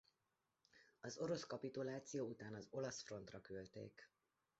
Az orosz kapituláció után az olasz frontra küldték.